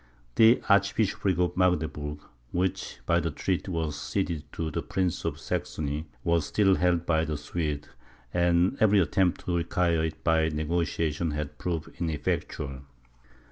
The archbishopric of Magdeburg which, by the treaty, was ceded to the prince of Saxony, was still held by the Swedes, and every attempt to acquire it by negociation had proved ineffectual.